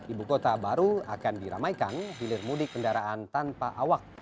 ibu kota baru akan diramaikan hilir mudik kendaraan tanpa awak